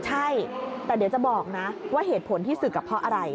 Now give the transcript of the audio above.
ใช่แต่เดี๋ยวจะบอกนะว่าเหตุผลที่ศึกเพราะอะไร